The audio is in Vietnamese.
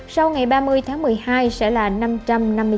tầng ba điều trị f có triệu chứng nặng và chuyển nặng